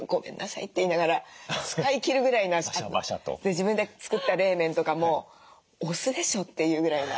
自分で作った冷麺とかもお酢でしょというぐらいな。